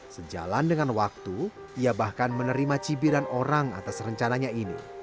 sejalan dengan waktu ia bahkan menerima cibiran orang atas rencananya ini